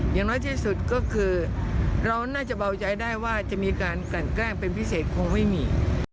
อย่างน้อยที่สุดก็คือเราน่าจะเบาใจได้ว่าจะมีการกลั่นแกล้งเป็นพิเศษคงไม่มี